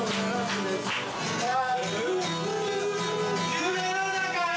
夢の中へ